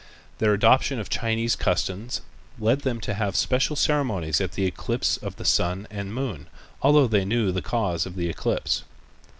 Their adoption of Chinese customs led them to have special ceremonies at the eclipse of the sun and moon, although they knew the cause of the eclipse.